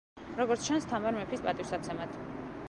როგორც ჩანს, თამარ მეფის პატივსაცემად.